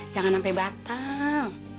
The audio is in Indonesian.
jangan sampai batang